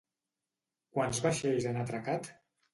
Quants vaixells han atracat?